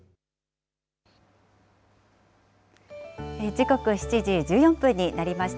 時刻７時１４分になりました。